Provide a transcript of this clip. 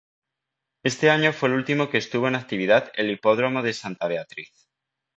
Ese año fue el último que estuvo en actividad el Hipódromo de Santa Beatriz.